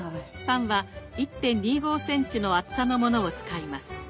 パンは１．２５ｃｍの厚さのものを使います。